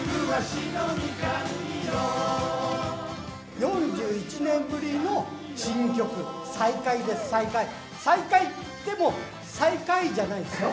４１年ぶりの新曲、サイカイです、サイカイ、再会といっても、最下位じゃないですよ。